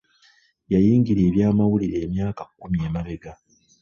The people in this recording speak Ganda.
Yayingira ebyamawulira emyaka kkumi emabega.